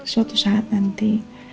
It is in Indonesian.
suatu saat nanti